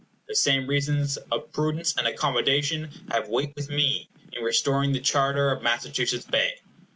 The same reasons of prudence and accommodation have weight with me in restoring the charter of Massachusetts Bay.